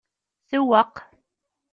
Sewweq.